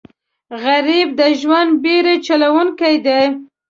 غریب د ژوند بېړۍ چلوونکی دی